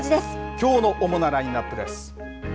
きょうの主なラインアップです。